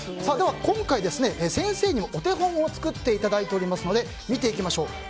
今回、先生にもお手本を作っていただいておりますので見ていきましょう。